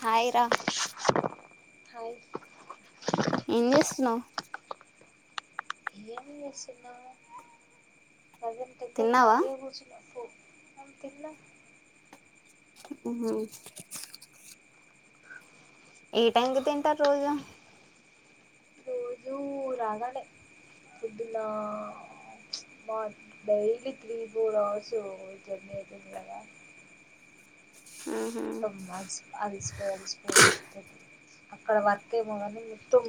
హాయి రా హాయి ఏం చేస్తున్నావ్ ఏం చేస్తున్నావ్ ప్రెసెంట్ అయితే తిన్నావా కాలిగా కూర్చున్న ఆ తిన్న మ్మ్ హ్మ్ ఏ టైం కి తింటారు రోజు రోజు రాగానే పోదున్న మా daily three four hours journey అవుతుంది కగా ఉహు, అ అదిసిపోయి అల్సిపోయి అక్కడ వత్తే మార్నింగ్ ఇతం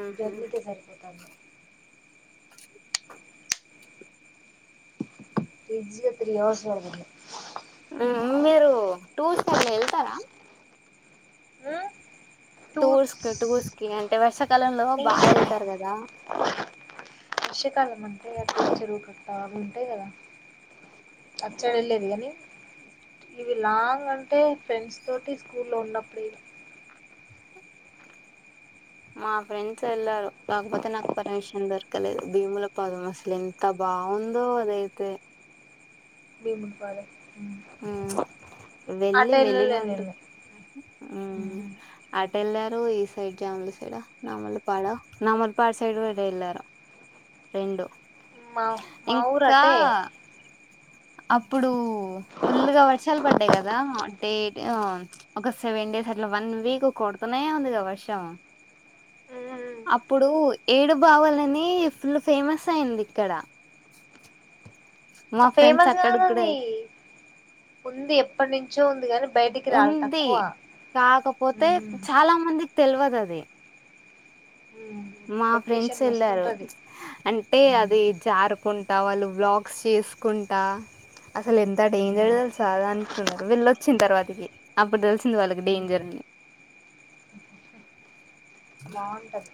ఉహు. జర్నీకే సరిపోతాంది క్విజ్ త్రీ అవర్స్ జరిగింది ఉమ్, మీరు టూర్స్ కి అట్లా వెళ్తారా ఉమ్ టూర్స్ క్ టూర్స్ ఇ అంటే వర్సాక్ కలంలో నేను బాగా వెళ్తారు కదా వర్షకాలం అంటే అట్ చెరువు కట్టా అవి ఉంటాయి కదా అచ్చడలేదు కానీ ఇవి లాంగ్ అంటే ఫ్రెండ్స్ తోటి స్కూల్లో ఉన్నప్పుడె మా ఫ్రెండ్స్ వెళ్లారు కాకపోతే నాకు పర్మిషన్ దొరకలేదు భీముల పాలం అసలు ఎంత బాగుందో అదైతే భీముని పాదం మ్మ్ వెళ్లి ఎల్లలే నేను వెళ్లినందుక్, మ్మ్ అట్ వెళ్ళారు ఈ సైడ్ జాములు సైడ్ నామలపాడ నామలపాడ్ సైడ్ కూడ్ వెళ్ళారు రెండు మౌ మౌరు ఇంకా అటే అప్పుడు ఫుల్గా వర్షాల్ పడ్డాయి కదా అంటే ఒక సెవెన్ డేస్ అట్లా వన్ వీక్ ఒక కొడుతునే ఉందిగా వర్షం అప్పుడు ఏడు బావాలని ఫుల్ ఫేమస్ అయింది ఇక్కడ మా ఫ్రెండ్స్ ఫేమస్ గాద అక్కడికి కూడా అది ఉంది ఎప్పటి నుంచో ఉంది ఇప్పుడు గాని ఉంది కాకపోతే చాలా మంది తెల్వదది. మా ఫ్రెండ్స్ లొకేషన్ వెళ్ళారు. మస్తుంటది అంటే అది జారుకున్ ట వాళ్లు వ్లాగ్స్ చేసుకుంటా అసలు ఎంత డేంజర్ తెల్సా అది అంటున్నారు వెళ్ళొచ్చిన తర్వాతకి. అప్పుడు తెలిసింది వాళ్ళకి డేంజర్ అని. బావుంటది.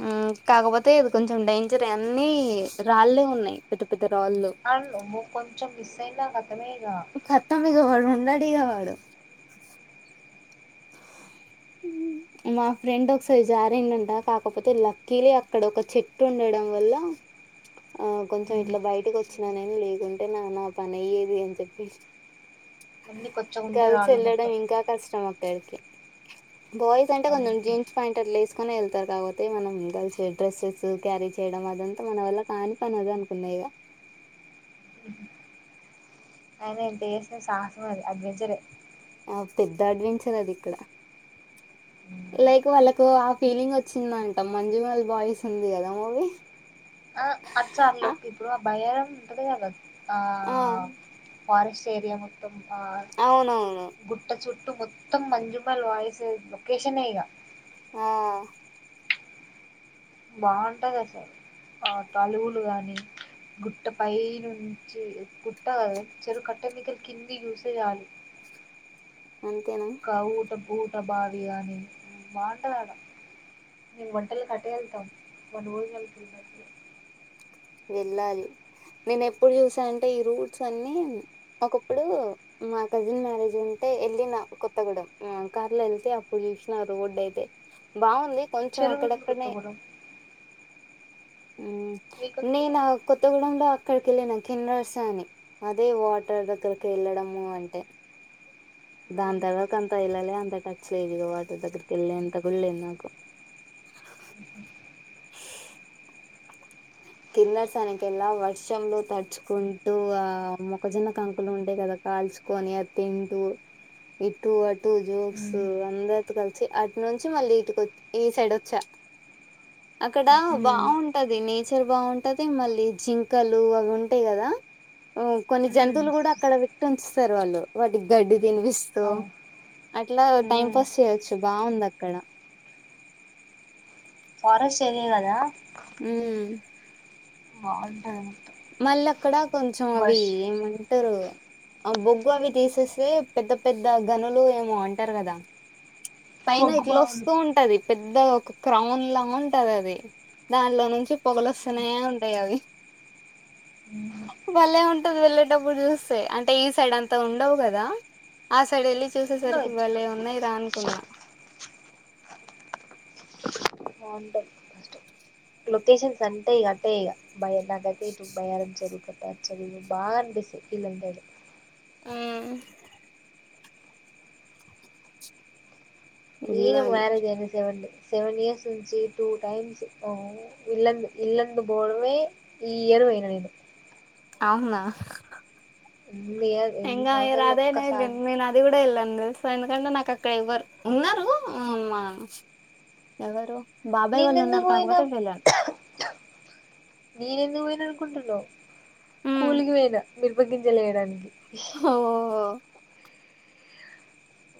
హ్మ్ కాకపోతే ఇది కొంచెం డేంజరే అన్ని రాళ్ళే ఉన్నాయి పెద్ద పెద్ అండ్ మో కొంచెం మిస్సైందా గన్ ఖతం ఇగ పడున్ టాడిగ వాడు మా ఫ్రెండ్ ఒకసారి జారిందంట. కాకపోతే లక్కీలి అక్కడ ఒక చెట్టు ఉండడం వల్ల ఆ కొంచెం ఇట్లా బయటకి వచ్చినా నేను. లేకుంటేనా నా పని అయ్యేది అని చెప్పి, అన్ని కొచ్చగుంటాయి గర్ల్స్ రాళ్ళు వెళ్ళడం మొత్తం ఇంకా కష్టం అక్ ద్దరికీ బాయ్స్ అంటే కొంచెం అవును జీన్స్ పాయింట్ అట్లా వేసుకొని వెళ్తారు. కాకపోతే మనం గర్ల్స్ డ్రెస్సెస్ క్యారీ చేయడం అదంతా మన వల్ల కాని పని అది అనుకున్నా ఇగా. అయినా ఎంత చేసిన సాహసం అది అడ్వెంచరే! ఆ పెద్ద అడ్వెంచర్ అది ఇక్కడ, లైక్ వాళ్ళకు ఆ ఫీలింగ్ వచ్చిందంట మంజుమల్ బాయ్స్ ఉంది కదా మూవీ. అ అక్చర్లుక్ ఇప్పుడు ఆ భయారం ఉంటది కదా ఆ ఫారెస్ట్ ఏరియా మొత్తం. ఆ అవునవును గుట్ట చుట్ ట్టు మొత్తం మంజుమల్ బాయ్స్ లొకేషనే ఇగా ఆ బావుంటది అసలు ఆ తలువులు గాని గుట్ట పై నుంచి గుట్ట చెరువు కట్ట మీదా కెళ్ళి కిందికి చూస్తే చాలు. అంతేనా? ఒక ఊట ఊట బావి అని బావుంటది ఆడ, మేము వంటలు కటే వెళ్తాం. వనభోజనాలకి వెళ్ళినప్పుడు వెళ్ళాలి నేను ఎప్పుడు చూసా అంటేఈ రూట్స్ అన్ని, ఒకప్పుడు మా కజిన్ మ్యారేజ్ ఉంటే వెళ్ళిన కొత్తగూడెం మ్మ్ కార్లో వెళ్తే అప్పుడు చూసినా రోడ్డు అయితే బావుంది. కొంచెం చెరువు ఉంది అక్కడక్కడనే మీకు నేనా కొత్తగూడెంలో లో అక్కడికి వెళ్ళిన కిన్న్రాస అని, అదే వాటర్ దగ్గరకి వెళ్ళడము అంటే ఉహు దాని తర్వాక అంత వెళ్ళాలే అంత టచ్ లేదు. ఇగ వాటర్ దగ్గరికి వెళ్ళేంత కూడా లేదు నాకు. కింద అసలుకి ఎలా వర్షంలో తడుచుకుంటూ ఆ మొక్కజొన్న కంకులు ఉంటాయి కదా, కాల్చుకొని అది తింటూ ఇటు అటు జోక్స్ అందరితో కలిసి అటు నుంచి మళ్ళీ ఇటుక్ వచ్ ఈ సైడ్ వచ్చా. అక్కడ ఉహు ఉహు బావుంటది నీజ్ చాల బావుంటది మళ్ళీ జింకలు అవి ఉంటాయి గదా హ్మ్ కొన్ని ఉహు జంతువులు కూడా ఉహు అక్కడ విక్టమ్స్ స్తారు వాళ్ళు వాటికి గడ్డి తినిపిస్తూ అవును అట్లా టైం ఉమ్ పాస్ చేయొచ్చు బావుంద క్కడ ఫారెస్ట్ ఏరియా గదా ఊమ్మ్ బాగుంటది మళ్ళీ అక్కడా కొంచెం అవి వర్ష్ ఏమ అంటారు ఆ బొగ్గు అవి తీసేస్తే పెద్ద పెద్ద గనులు ఏమో అంటారు కదా పైన మగ్గు ఇట్లా బావులు వస్తూ ఉంటది పెద్ద క్రౌన్ లా ఉంటది అది దాంట్లో నుంచి పొగలు వస్తునే ఉంటాయి అది భలే ఉంటది వెళ్ళేటప్పుడు చూస్తే అంటే ఈ సైడ్ అంతా ఉండవు కదా ఆ సైడ్ వెళ్ళి చూసేసరికి ఉండవచ్చు బలే ఉన్నాయి రా అనుకున్నా బావుంటది అ లొకేషన్స్ అంటే ఇక అట్టే ఇ భయలా బయారం చరువ్ చ్చది బాంపిస్తది మ్మ్ నను వెళ్ళాలి మరేజ్ అయినా సేవండి సెవెన్ ఇయర్స్ నుంచి టూ టైమ్స్ ఇల్ల ఇల్లందు పోవడమే ఈ ఇయర్ బోయన నేను అవునా ఎన్ని ఇయర్ ఎన్ని ఇంగా ఇయరు సంవత్సరాలు అదేనే ఇల్న ఒక్కసారి మీరు నేన్ అది కూడా ఎళ్లను తెల్సా సో ఎందుకంటే నాకు అక్కడ ఎవ్వరు ఉన్నారు మా ఎవరు బాబాయ్ నీను వాళ్ళు ఎందు ఉన్నారు పోయినా కాకపోతే వెళ్ళాను నేనెందుకు పోయినా కండను కూలికి పోయిన మిరప గింజలెయ్యడానికి ఓ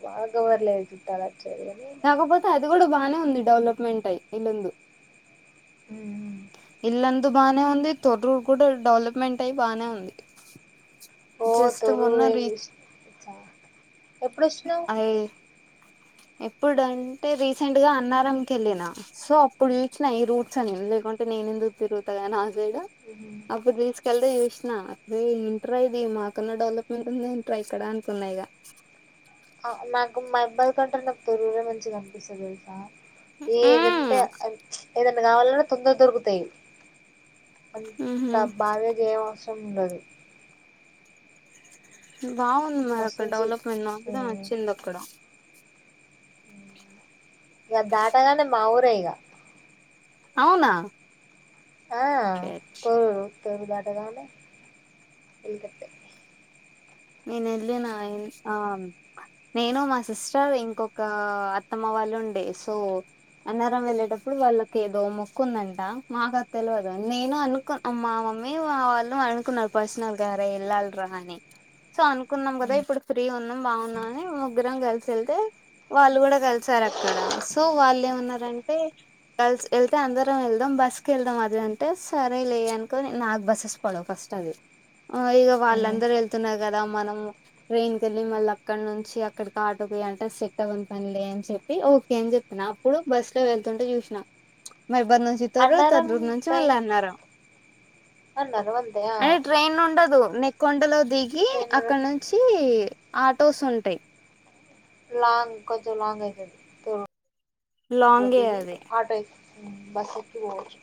వాళగవర్లే ఇదిట్టాళా కాకపోతే అది కు ఇప్పుడు బాగానే ఉంది డెవలప్మెంట్ అయి ఇల్లుంలు ఇల్లందు బాగానే ఉంది తోట కూడా డెవలప్మెంట్ అయి బాగానే ఉంది ఓ జస్ట్ జరుర మొన్న రీ అంది ఎప్పుడుష్ణవు ఎప్పుడుంటే రీసెంట్ గా అన్నారంకి వెళ్ళిన సో అప్పుడు న ఈ రూట్స్ అని లేకుంటే నేనెందుకు తిరుగుతా గా నాక్ బే అప్పుడు తీసుకెళ్తే చూస్ కృష్ణ అరే ఏంట్రా ఇది మాకన్నా డెవలప్మెంట్ ఉంది ఏంట్రా ఇక్కడ అనుకున్నాయిగ నాకు మా అబ్బాయి కంటే నాకు తెరుగురే మంచిగా కనిపిస్తుంది తెలుసా ఏ ఏదంట మ్మ్ ఏదన కావాలన్నా తొందర దొరుకుతాయి మ్మ్ అంత హు బాధగేమ్ అవసరం ఉండదు మ్మ్ బాగుంది మరి ఫస్ట్ అక్కడ నుంచి డెవలప్మెంట్ అ కూడా నచ్చింది అక్కడ ఇగ దాటగానే మా ఊరే ఇగ అవునా ఆ షట్ కో [unintelligible] దాటగానే వెల్కట్టే నేను వెళ్ళిన ఆ నేను మా సిస్టర్ ఇంకొక అత్తమ్మ వాళ్ళు ఉండే సో అన్నారం వెళ్ళేటప్పుడు వాళ్ళకి ఏదో మొక్కు ఉందంట మాకు అ తెలియదు నేను అనుకు మా మమ్మీ వాళ్ళు అనుకున్నారు పర్సనల్ గా రే ఎళ్ళాలిరా అని సో అనుకున్నాం కదా ఇప్పుడు ఫ్రీ ఉన్ బాగున్నాని ముగ్గురం కల్సి ఎళ్తే వాళ్ళు కూడా కలిసారు అక్కడ సో వాళ్ళు ఏమన్నారంటే కల్స్ వెళ్తే అందరం వెళ్దాం బస్ కెళ్దాం అది అంటే సరే లే అనుకోని నాకు బస్సెస్ పడవు ఫస్ట్ అది ఆ ఇక వాళ్ళ అందర వెళ్ కదా మనం ట్రైన్ కెళ్ళి మళ్ళక్కడ నుంచి అక్కడికి ఆటోకి అంటే సెట్ అవ్వని పనిలే అని చెప్పి ఓకే అని చెప్పిన అప్పుడు బస్ లో వెళ్తుంటే చూసినా మా ఇబ్బ నుంచి తొర్రూరు అన్నారం తొర్రూరు నుంచి మళ్ళీ ట్రైన్ అన్నారం అన్నారం అంతే ఆ అంటే ట్రైన్ ఉండదు మెక్కొండలో ది కీ ట్రైన్ అక్కనుంచి ఆటోస్ ఉంటయి లాంగ్ కొంచెం లాంగ్ అయితది తో లో లాంగే దిగి అది ఆటో ఎక్ మ్మ్ బస్సెక్కి పోవచ్చు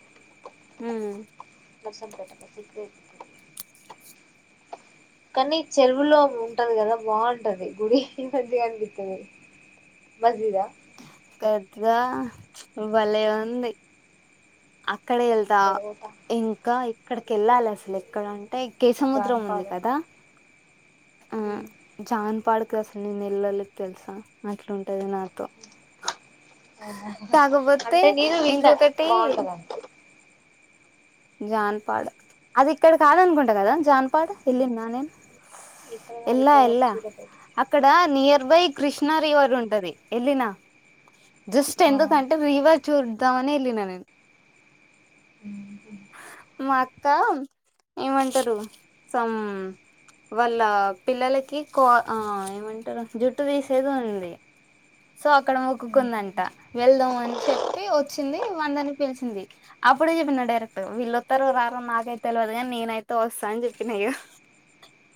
మ్మ్ పసం పెట్టక [unintelligible] కానీ చెరువులో ఉంటది కదా బాగుంటది గుడి మంచిగనిపిస్తుది మంచిగా కద్దా భలే ఉంది అక్కడ వెళ్తా జడగోట ఇంకా అక్కడికెళ్ళాలి అసలు ఎక్కడంటే కే సముద్రం ఉంది జాన్పాడు కదా ఆ జాన్పాడు కసలు నేనెల్లలి తెలుసా అట్లుంటది నాతో అవునా కాకపోతే అంటే నేను విన్నా ఇంకొకటి బాగుంటదన్ జాన్పాడ్ అది ఇక్కడ కాదనుకుంటా కదా జాన్పాడ్ వెళ్ళిన్న నేను ఇక్కడ కాదు ఎల్లా ఇక్కడ కాదు ఎల్లా సూర్యాపేట అక్కడ నియర్ బై కృష్ణ రివరుంటది ఎల్లి నా జస్ట్ ఆ ఎందుకంటే రీవర్ చూడ్ త్తమనే ఎల్లి నా నేను కా ఏమంటారు సమ్ వాళ్ళ పిల్లలకి కో ఆ ఏమంటారు జుట్టు తీసేది ఉంది సో అక్కడ మొక్కుకుందంట వెళ్దాం అని చెప్పి వచ్చింది వందని పిలిచింది అప్పుడే చెప్పిన డైరెక్ వీళ్ళొత్తారో రారో నాకైతే తెల్వదు కాని నేనైతే వస్తా అని చెప్పినా ఇగ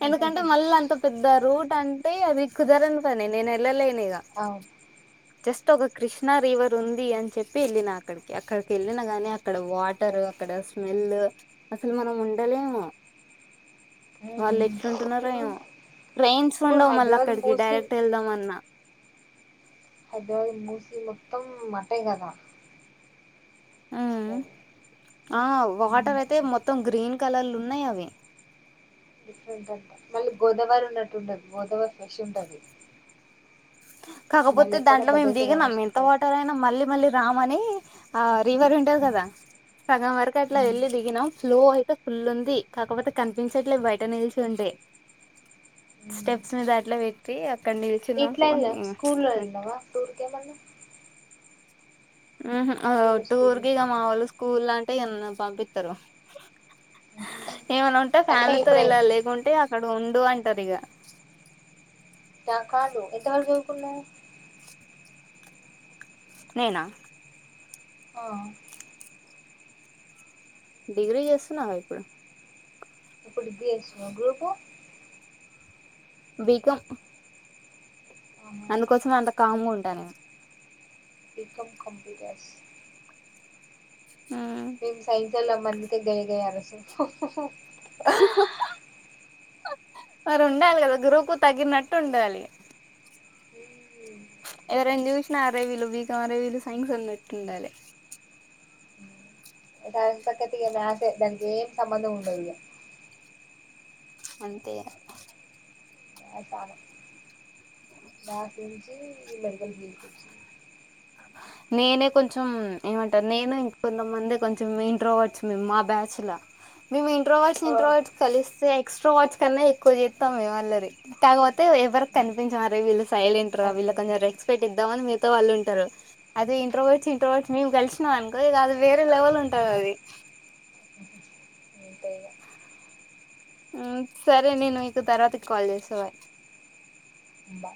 ఎందుకంటే మల్ల అంత పెద్ద రూ అంటే అది ఖుదరని పని, నేనెల్లలే [unintelligible] అవును జస్ట్ ఒక కృష్ణా రీవర్ ఉంది అని చెప్పి ఎల్లినా అక్కడికి, అక్కడికి ఎల్లిన గానీ అ అక్కడ వాటర్ స్మెల్ అసలు మనం ఉండలేము. వాళ్లె ఎట్టుంటున్నారో ఇప్పుడు ఏవో ట్రైన్స్ ఇప్పుడు ఉండవు మల్ల హైదరాబాద్ అక్కడికి మూసి డైరెక్ట్ ఎళ్దామన్నా. హైదరాబాద్ మూసి మొత్తం మసే కదా. మ్మ్ ఆ వాటరైతే మొత్తం గ్రీన్ కలర్లున్నాయి అవి. డిఫరెంట్ అంట. మల్లి గోదావరి ఉన్నట్టు ఉండదు, గోదావరి ఫ్రెష్ ఉంటది. మళ్ళీ కాకపోతే ఎక్కడ దాంట్లో మేము భద్రాచలం దిగినం, వచ్చిన ఎంత కల్ వాటర్ అయినా మల్లీ మల్లీ రామ్ అనీ ఆ రీవర్ ఉంటది కదా. సగం వరకు అట్లా ఎల్లి దిగినాం, ఫ్లో అయితే ఫుల్ ఉంది, కాకపోతే కనిపించట్లేదు బయట నిల్చుంటే స్టెప్స్ మీద అట్లా పెట్టీ, అ క్కడ నిల్చున్నాం. పోనీ [unintelligible] స్కూల్లో ఎల్దావా టూర్ కేమన్న. హ్మ్హు ఆహ్ ఓ టూర్ స్కూల్లో కి ఇక మావోళ్లు స్క్ స్కూల్లా అంటే ఎన్న పంపిత్తరు. ఏవన్నా ఉంటే అంటే ఫ్యామిలీతో ఇప్పుడే ఎల్లాలి లేకుంటే అక్కడ్ ఉండు అంటారు ఇగ. నా కాదు ఎంత వరకు చదువుకున్నా? నేనా ఆ డిగ్రీ చేస్తున్నాగా ఇప్పుడు. ఇప్పుడు బీఎస్ నో గ్రూపూ? బీకాం ఆహా అందుకోసమే అంత. కామ్ గ ఉంటానే బీకామ్ కంప్యూటర్స్. హు హు హా మరి ఉండాలి కదా గురువుకు తగినట్టు ఉండాలి. ఎవరైన జూషినా అరె వీల్లు బీకాం, అరె వీల్లు సైన్స్ అన్నట్టుండాలి. దానికి తగట్టు ఇహ దాందే. దానికి ఏం సంబంధం ఉండదు ఇగ. అంతే. ఎహె కాను నాక్ తెలిసి మెడికల్ హెల్త్ వచ్చి నేనే కొంచెం ఏమంటారు నేను ఇంక కొంతమంది కొంచెం ఇంట్రోవర్డ్స్ మేము మా బ్యాచ్ ల మేము ఇ ఇంట్రోవాట్ ని ఆ ఇంట్రోవాట్ కలిస్తే ఎక్స్ట్రా వాట్స్ కన్నా ఎక్కువ చేస్తాం మేమ్ అల్లరి కాకపో తే ఎవరి కనిపించ మరి వీళ్ళ సైలెంట్ రా వీళ్ళ అంతే కొంచం రెస్పెక్ట్ ఇద్దామని మీగత వాళ్ళు ఉం అదే ఇంట్రోవట్స్ ఇంట్రోవట్స్ మేము కలిసినాం అనుకో ఇక అది వేరే లెవెల్ ఉంటది అది అంతేఇగా ఉమ్ సరే నేను ఇక తర్వాతకి కాల్ చేస్త బాయ్ ఇగ బా